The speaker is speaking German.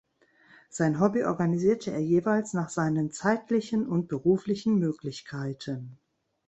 Sein Hobby organisierte er jeweils nach seinen zeitlichen und beruflichen Möglichkeiten.